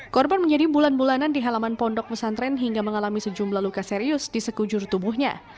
korban menjadi bulan bulanan di halaman pondok pesantren hingga mengalami sejumlah luka serius di sekujur tubuhnya